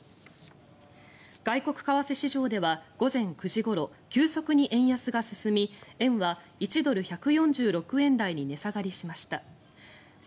外国為替市場では午前９時ごろ急速に円安が進み円は１ドル＝１４６円台に値下がりしました。